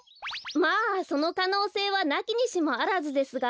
まあそのかのうせいはなきにしもあらずですが。